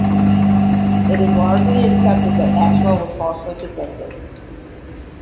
It is largely accepted that Maxwell was falsely convicted.